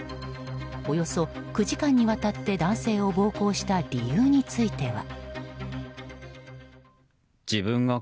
およそ９時間にわたって男性を暴行した理由については。